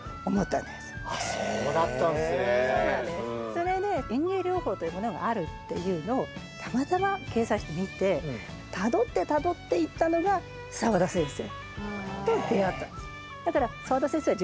それで園芸療法というものがあるっていうのをたまたま掲載誌で見てたどってたどっていったのが澤田先生と出会ったんです。